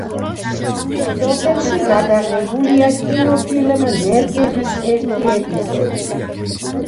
სოფელში გადაღებულია კინოფილმ „ნერგების“ ერთი ეპიზოდი.